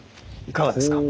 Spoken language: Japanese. いかがですか？